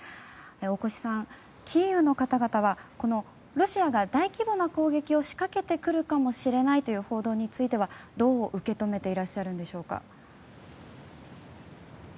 大越さん、キーウの方々はロシアが大規模な攻撃を仕掛けてくるかもしれないという報道についてはどう受け止めていらっしゃるんでしょうか。